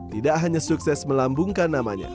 tidak hanya sukses melambungkan namanya